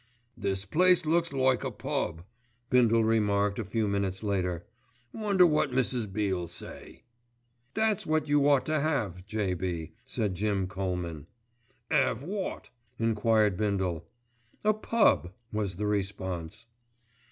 "This place looks like a pub," Bindle remarked a few minutes later. "Wonder wot Mrs. B.'ll say." "That's what you ought to have, J.B.," said Jim Colman. "'Ave wot?" enquired Bindle. "A pub.," was the response.